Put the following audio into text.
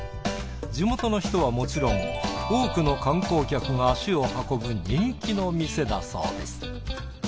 地元の人はもちろん多くの観光客が足を運ぶ人気の店だそうです。